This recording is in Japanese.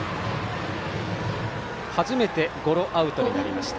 初めてゴロアウトになりました。